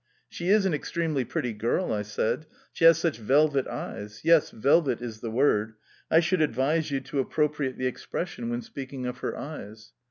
"She is an extremely pretty girl," I said. "She has such velvet eyes yes, velvet is the word. I should advise you to appropriate the expression when speaking of her eyes.